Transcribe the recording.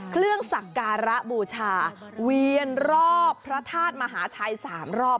เครื่องสักการะบูชาเวียนรอบพระธาตุมหาชัย๓รอบ